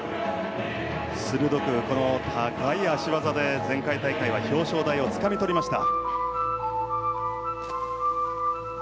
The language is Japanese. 鋭く、この高い脚技で前回大会は表彰台をつかみ取りました。